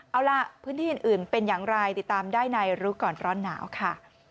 เอาล่ะพื้นที่อื่นเป็นอย่างไรติดตามได้ในรู้ก่อนร้อนหนาวค่ะ